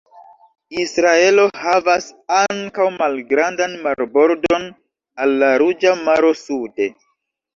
Israelo havas ankaŭ malgrandan marbordon al la Ruĝa Maro sude.